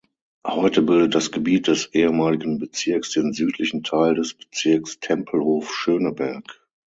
Heute bildet das Gebiet des ehemaligen Bezirks den südlichen Teil des Bezirks Tempelhof-Schöneberg.